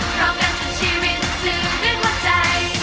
พร้อมกันถึงชีวิตสื่อดื่มหัวใจ